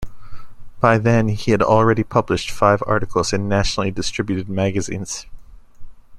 By then he had already published five articles in nationally distributed magazines.